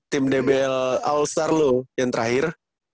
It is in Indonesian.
tim dbl all star lo yang terakhir